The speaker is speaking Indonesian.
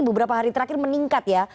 beberapa hari terakhir meningkat ya